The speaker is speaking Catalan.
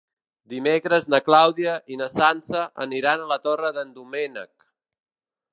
Dimecres na Clàudia i na Sança aniran a la Torre d'en Doménec.